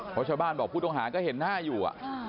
เพราะชาวบ้านบอกผู้ต้องหาก็เห็นหน้าอยู่